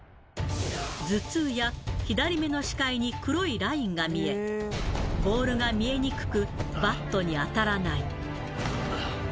頭痛や左目の視界に黒いラインが見え、ボールが見えにくく、バットに当たらない。